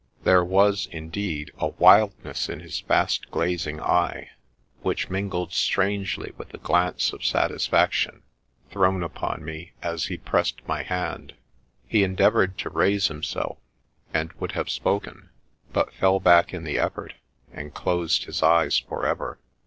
There was, indeed, a wildness in his fast glazing eye, which mingled strangely with the glance of satisfaction thrown upon me as he pressed my hand ; he endeavoured to raise him self, and would have spoken, but fell back in the effort, and closed his eyes for ever.